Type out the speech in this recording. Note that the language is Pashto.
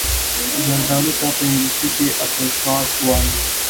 زردالو ته په انګلیسي Apricot وايي.